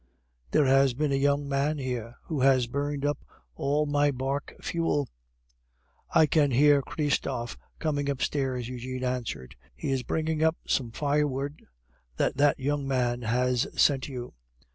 There has been a young man here, who has burned up all my bark fuel." "I can hear Christophe coming upstairs," Eugene answered. "He is bringing up some firewood that that young man has sent you."